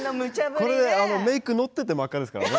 これ、メークがのっていて真っ赤ですからね。